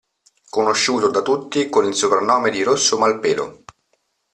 Conosciuto da tutti con il soprannome di Rosso Malpelo.